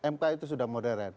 mk itu sudah modern